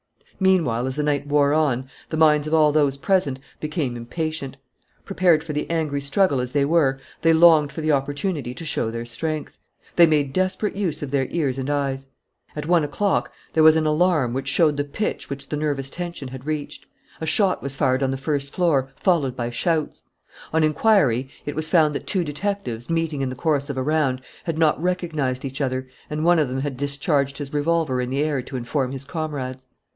Meanwhile, as the night wore on, the minds of all those present became impatient. Prepared for the angry struggle as they were, they longed for the opportunity to show their strength. They made desperate use of their ears and eyes. At one o'clock there was an alarm that showed the pitch which the nervous tension had reached. A shot was fired on the first floor, followed by shouts. On inquiry, it was found that two detectives, meeting in the course of a round, had not recognized each other, and one of them had discharged his revolver in the air to inform his comrades.